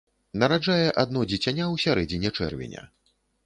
Нараджае адно дзіцяня ў сярэдзіне чэрвеня.